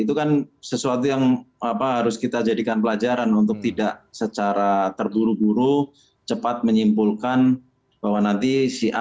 itu kan sesuatu yang harus kita jadikan pelajaran untuk tidak secara terburu buru cepat menyimpulkan bahwa nanti si a